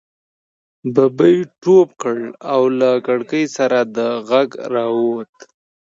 ببۍ ټوپ کړه او له کړنګ سره دا غږ را ووت.